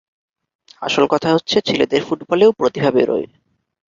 আসল কথা হচ্ছে, ছেলেদের ফুটবলেও প্রতিভা বেরোয়।